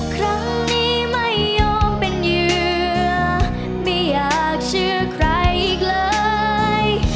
ครั้งนี้ไม่ยอมเป็นเหยื่อไม่อยากเชื่อใครอีกเลย